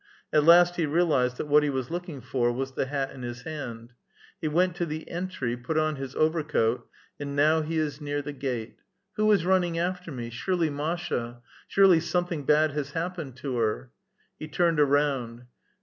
At last he realized that what he was lookiDg for was the hat iu his hand. He went to the entry, put on his overcoat, and now he is near the gate. '• Who is muning after me? Surely Masha. Surely something bad has happened to her." He turned around.